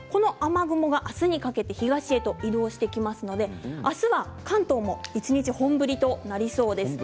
この雨雲があすにかけて東へと移動していきますのであすは関東も一日、本降りとなりそうです。